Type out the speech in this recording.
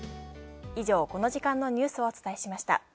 以上、この時間のニュースをお伝えしました。